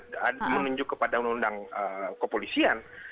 bukan menunjuk kepada undang undang kepolisian